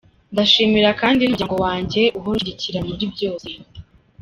Ndashimira kandi n’umuryango wanjye uhora unshyigikira muri byose.